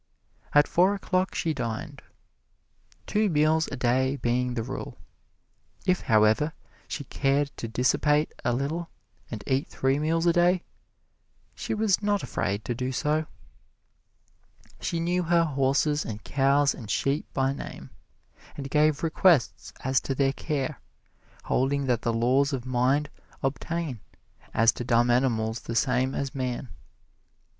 At four o'clock she dined two meals a day being the rule. If, however, she cared to dissipate a little and eat three meals a day, she was not afraid to do so. She knew her horses and cows and sheep by name, and gave requests as to their care, holding that the laws of mind obtain as to dumb animals the same as man.